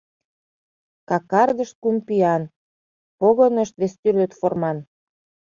Кокардышт кум пӱян. погонышт вестӱрлӧ форман.